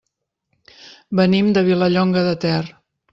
Venim de Vilallonga de Ter.